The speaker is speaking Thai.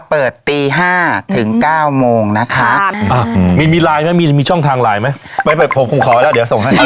เปิดตีห้าถึงเก้าโมงนะคะอ่าอืมมีมีลายมะมีมีช่องทางลายมะไม่ไปผมคงขอแล้วเดี๋ยวส่งให้